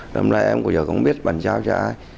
lần này em cũng giờ không biết bàn giao cho ai